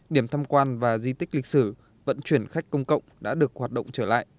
điểm thăm quan và di tích lịch sử vẫn chuyển khách công cộng đã được hoạt động trở lại